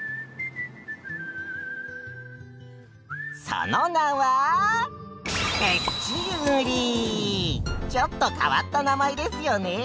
その名はちょっと変わった名前ですよね。